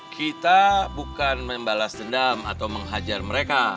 kita bukan membalas dendam atau menghajar mereka